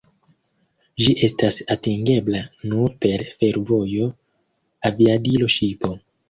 Ĝi estas atingebla nur per fervojo, aviadilo, ŝipo.